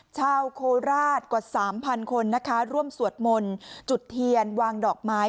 ชาวโคราชกว่า๓๐๐คนนะคะร่วมสวดมนต์จุดเทียนวางดอกไม้